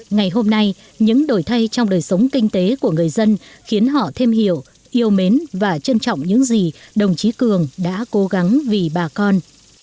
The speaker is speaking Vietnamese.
ngày hôm nay những đổi thay trong đời sống kinh tế của người dân khiến họ thêm hiểu yêu mến và trân trọng những gì đồng chí cường đã cố gắng vì bà con